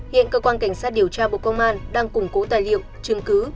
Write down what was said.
hiện cơ quan cảnh sát điều tra bộ công an đang củng cố tài liệu chứng cứ